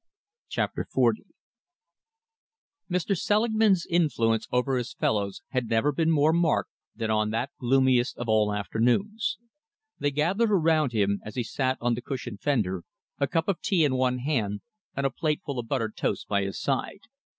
CHAPTER XL Mr. Selingman's influence over his fellows had never been more marked than on that gloomiest of all afternoons. They gathered around him as he sat on the cushioned fender, a cup of tea in one hand and a plateful of buttered toast by his side.